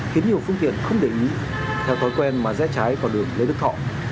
khiến nhiều phương tiện không để ý theo thói quen mà rẽ trái vào đường lê đức thọ